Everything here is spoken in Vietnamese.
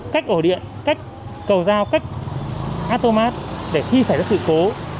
cách ổ điện cách cầu giao cách atomat để khi xảy ra sự cố